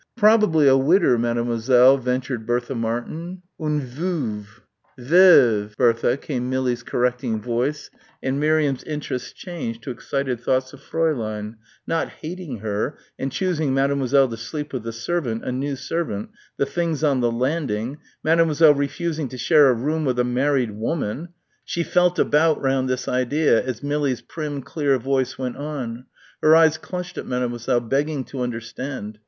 "Probably a widder, Mademoiselle," ventured Bertha Martin, "oon voove." "Verve, Bertha," came Millie's correcting voice and Miriam's interest changed to excited thoughts of Fräulein not hating her, and choosing Mademoiselle to sleep with the servant, a new servant the things on the landing Mademoiselle refusing to share a room with a married woman ... she felt about round this idea as Millie's prim, clear voice went on ... her eyes clutched at Mademoiselle, begging to understand